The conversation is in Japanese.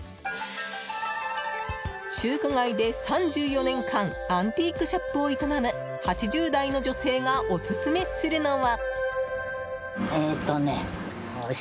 中華街で３４年間アンティークショップを営む８０代の女性がオススメするのは。